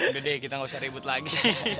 udah deh kita gak usah ribut lagi